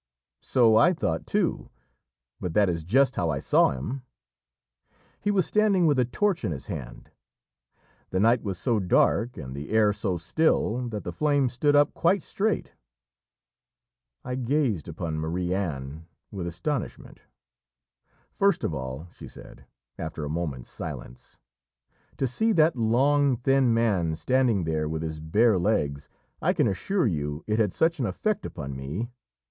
"So I thought too; but that is just how I saw him. He was standing with a torch in his hand; the night was so dark and the air so still that the flame stood up quite straight." I gazed upon Marie Anne with astonishment. "First of all," she said, after a moment's silence, "to see that long, thin man standing there with his bare legs, I can assure you it had such an effect upon me!